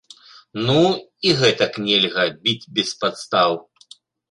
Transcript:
Ну, і гэтак нельга, біць без падстаў!